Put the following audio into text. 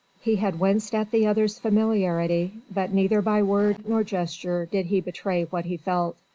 He had winced at the other's familiarity, but neither by word nor gesture did he betray what he felt.